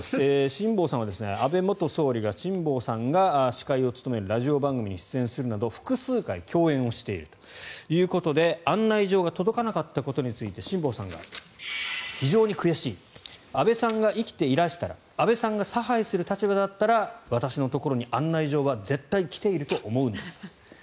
辛坊さんは、安倍元総理が辛坊さんが司会を務めるラジオ番組に出演するなど複数回共演しているということで案内状が届かなかったことについて辛坊さんが、非常に悔しい安倍さんが生きていらしたら安倍さんが差配する立場だったら私のところに案内状は絶対来ていると思うんだけどと。